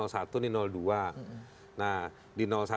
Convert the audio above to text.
nah di satu itu pendukungnya siapa aja